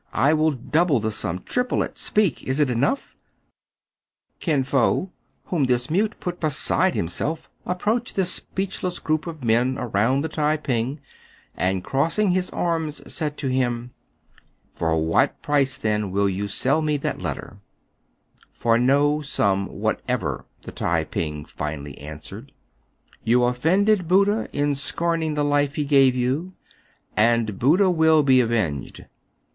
I will double the sum ! triple it ! Speak ! Is it enough }*' Kin Fo, whom this mute put beside himself, ap proached this speechless group of men around the Tai ping, and, crossing his arms, said to him, — "For what price, then, will you sell me that letter >" "For no sum whatever," the Tai ping finally 204 TRIBULATIONS OF A CH/NAMAIf. answered. "You offended Buddha in scorning the life he gave you, and Buddha will be avenged.